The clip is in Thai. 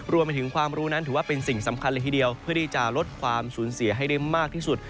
รวมไปถึงความรู้นั้นถือว่าเป็นสิ่งสำคัญเลยทีเดียวเพื่อที่จะลดความสูญเสียให้ได้มากที่สุด